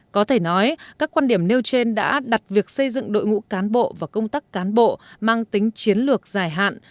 có thể nói các quan điểm nêu trên đã đặt việc xây dựng đội ngũ cán bộ và công tác cán bộ mang tính chiến lược dài hạn